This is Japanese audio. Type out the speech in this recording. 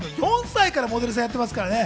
４歳からモデルさんやってますからね。